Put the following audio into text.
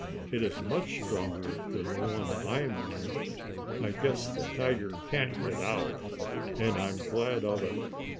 "It is much stronger than the one I am in. I guess the tiger can't get out, and I am glad of it.